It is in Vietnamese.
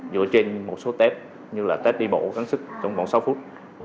dựa trên một số tết như là tết đi bộ gắn sức trong vòng sáu phút